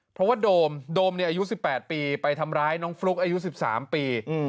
เพราะว่าโดมโดมอายุ๑๘ปีไปทำร้ายน้องฟลุ๊กอายุ๑๓ปี